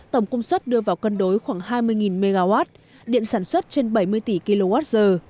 tổng công suất đưa vào cân đối khoảng hai mươi mw điện sản xuất trên bảy mươi tỷ kwh